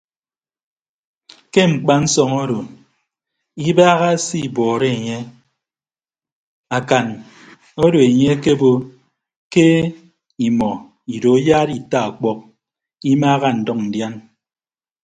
Ke mkpansọñ odo ibaaha se ibọọrọ enye akan odo enye akebo ke imọ ido ayaara ita ọkpọk imaaha ndʌñ ndiana.